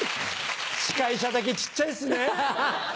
司会者だけ小っちゃいですね。